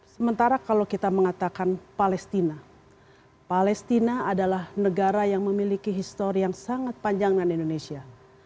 sementara kalau kita mengatakan palestina palestina adalah negara yang memiliki histori yang sangat panjang dengan indonesia